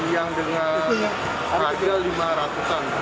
yang dengan harga rp lima ratus